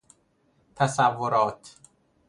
تصورات